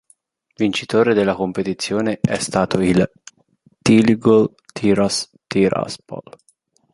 Vincitore della competizione è stato il Tiligul-Tiras Tiraspol